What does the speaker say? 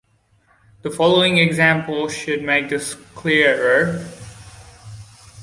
The following example should make this clearer.